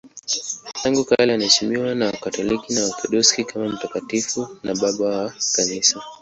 Tangu kale anaheshimiwa na Wakatoliki na Waorthodoksi kama mtakatifu na Baba wa Kanisa.